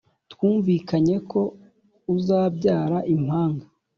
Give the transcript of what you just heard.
Twumvikanyeko uzabyara impanga